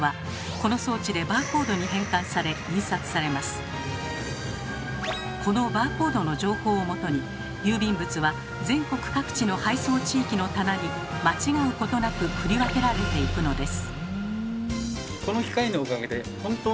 このバーコードの情報をもとに郵便物は全国各地の配送地域の棚に間違うことなく振り分けられていくのです。